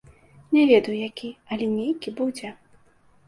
Не ведаю які, але нейкі будзе.